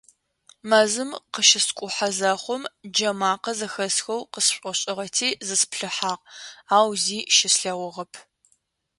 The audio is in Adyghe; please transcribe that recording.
Мэзым къыщыскӀухьэ зэхъум джэмакъэ зэхэсхэу къысшӀошӀыгъэти зысплъыхьагъ, ау зи щыслъэгъугъэп.